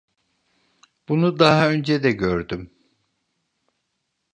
Bunu daha önce de gördüm.